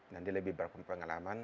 dan dia lebih berpengalaman